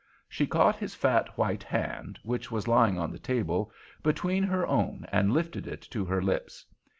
She caught his fat white hand, which was lying on the table, between her own and lifted it to her lips.